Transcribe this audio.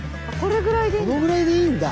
これぐらいでいいんだ。